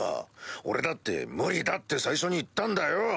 俺だって「無理だ！」って最初に言ったんだよ！